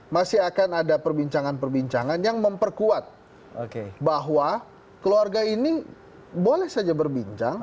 masih akan ada perbincangan perbincangan yang memperkuat bahwa keluarga ini boleh saja berbincang